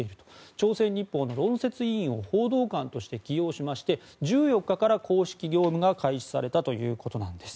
朝鮮日報の論説委員を報道官として起用しまして１４日から公式業務が開始されたということです。